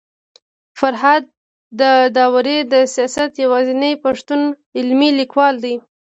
فرهاد داوري د سياست يوازنی پښتون علمي ليکوال دی